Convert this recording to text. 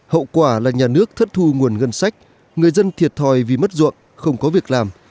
hậu quả là nhà nước thất thu nguồn ngân sách người dân thiệt thòi vì mất ruộng không có việc làm